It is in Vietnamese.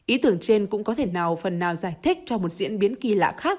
ý tưởng trên cũng có thể nào phần nào giải thích cho một diễn biến kỳ lạ khác